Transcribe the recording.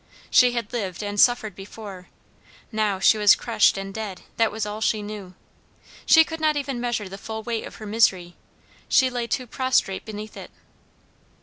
She had lived and suffered before; now she was crushed and dead; that was all she knew. She could not even measure the full weight of her misery; she lay too prostrate beneath it.